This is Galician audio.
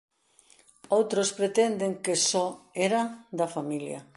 Outros pretenden que só era da familia.